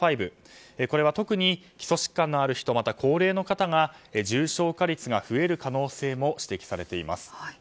これは特に基礎疾患のある人または高齢の方が重症化率が増える可能性も指摘されています。